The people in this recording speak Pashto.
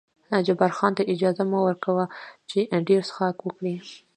جبار خان ته اجازه مه ور کوه چې ډېر څښاک وکړي.